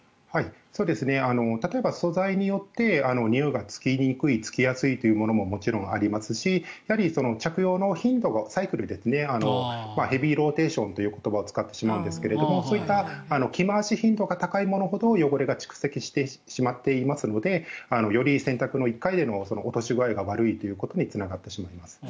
例えば、素材によってにおいがつきにくいつきやすいというものももちろんありますし着用の頻度、サイクルですねヘビーローテーションという言葉を使ってしまうんですがそういった着回し頻度が高いものほど汚れが蓄積してしまっていますのでより洗濯の１回での落とし具合が悪いということにつながってしまいます。